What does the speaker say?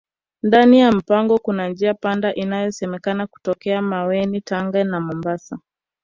ndani ya mapango Kuna njia panda inayosemekana kutokea maweni tanga na mombasa